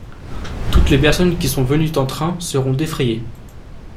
Toutes les personnes qui sont venues en train seront défrayées.